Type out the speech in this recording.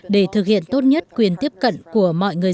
để thực hiện tốt nhất quyền tiếp cận của mọi người